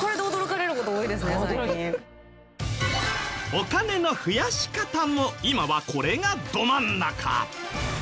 お金の増やし方も今はこれがど真ん中。